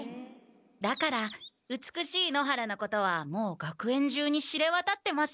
だから美しい野原のことはもう学園中に知れわたってます。